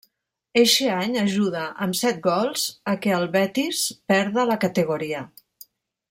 Eixe any ajuda, amb set gols, a què el Betis perda la categoria.